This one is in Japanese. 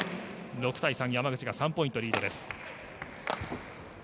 ６対３山口が３ポイントリードです。